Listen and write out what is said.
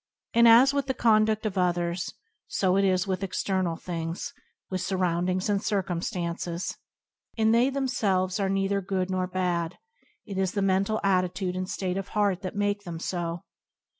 And as with the condudt of others, so is it with external things — with surroundings and circumstances — in themselves they are [ '5 ] Q^an: King of C^mD neither good nor bad, it is the mental atti tude and state of heart that makes them so.